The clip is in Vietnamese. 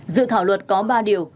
dự thảo luật có ba điều